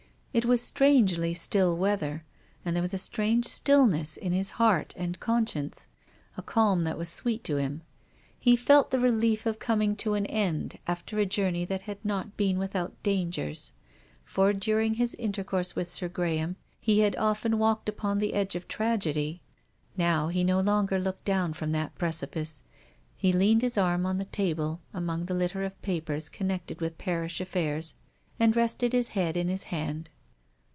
It was strangely still weather, and there was a strange stillness in his heart and conscience, a calm that was sweet to him. He felt the relief of coming to an end after a journey that had not been without dangers. For, during his intercourse with Sir Graham, he had often walked upon the edge of tragedy. Now he no longer looked down from that precipice. He leaned his arm on the table, among the litter of papers connected with parish affairs, and rested his head in his hand.